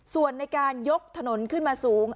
ส่วนในการยกถนนขึ้นมาสูง